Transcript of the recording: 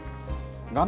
画面